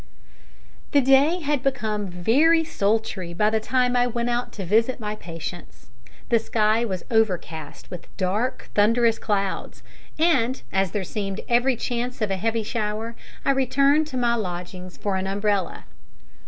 The day had become very sultry by the time I went out to visit my patients. The sky was overcast with dark thunderous clouds, and, as there seemed every chance of a heavy shower, I returned to my lodgings for an umbrella.